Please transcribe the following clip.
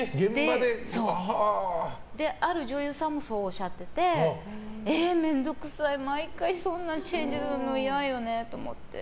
ある女優さんもそうおっしゃっててえー、めんどくさい毎回そんなの嫌よねと思って。